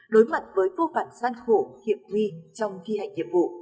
đối mặt với vô phản gian khổ hiệp huy trong khi hành nhiệm vụ